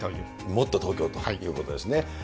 もっとＴｏｋｙｏということですね。